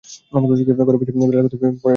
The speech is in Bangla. ঘরে বসে-বসে বিড়ালের কথা শুনলে হবে না।